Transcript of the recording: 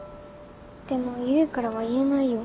でも唯からは言えないよ。